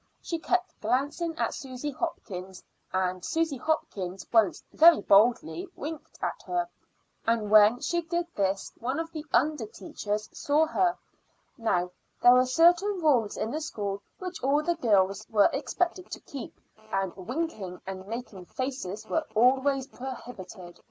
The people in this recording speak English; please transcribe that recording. She kept glancing at Susy Hopkins, and Susy Hopkins once very boldly winked at her; and when she did this one of the under teachers saw her. Now, there were certain rules in the school which all the girls were expected to keep, and winking and making faces were always prohibited.